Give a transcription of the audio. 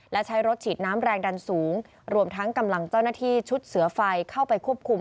และใช้รถฉีดน้ำแรงดันสูงรวมทั้งกำลังเจ้าหน้าที่ชุดเสือไฟเข้าไปควบคุม